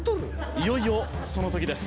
いよいよその時です。